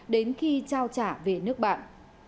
đến khi trao trả về nước bạn